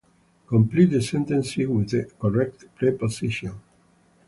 Complete the sentences with the correct preposition.